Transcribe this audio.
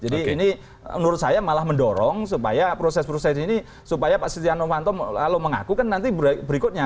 jadi menurut saya malah mendorong supaya proses proses ini supaya pak siti anomanto lalu mengaku kan nanti berikutnya